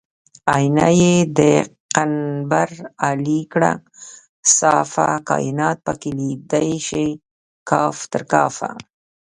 آیینه یې د قنبر علي کړه صافه کاینات پکې لیدی شي کاف تر کافه